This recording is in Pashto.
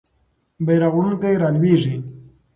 بیرغ وړونکی رالویږي.